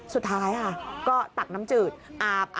สุดท้ายค่ะก็ตักน้ำจืดอาบ